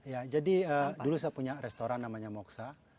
ya jadi dulu saya punya restoran namanya moksa